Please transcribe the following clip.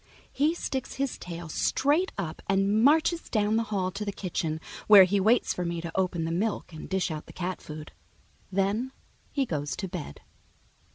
He sticks his tail straight up and marches down the hall to the kitchen, where he waits for me to open the milk and dish out the cat food. Then he goes to bed.